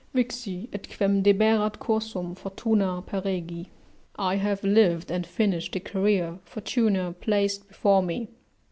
] "Vixi, et, quem dederat cursum fortuna, peregi." ["I have lived and finished the career Fortune placed before me."